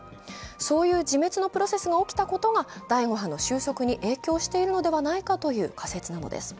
そういう自滅のプロセスが起きたことが第５波の収束に影響しているのではないかという仮説なんです。